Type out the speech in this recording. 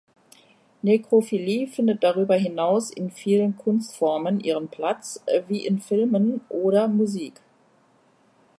Nekrophilie findet darüber hinaus in vielen Kunstformen ihren Platz, wie in Filmen oder Musik.